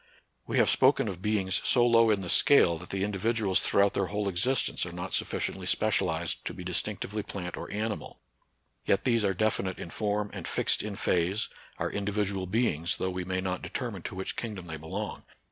We have spoken of beings so low in the scale that the individuals through out their whole existence are not sufficiently specialized to be distinctively plant or animal : yet these are definite in form and fixed in phase, are individual beings, though we may not determine to which kingdom they belong.